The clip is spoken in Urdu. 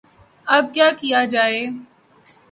اب کیا کیا جائے؟